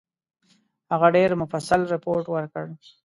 هغه ډېر مفصل رپوټ ورکړ.